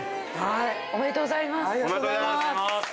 おめでとうございます。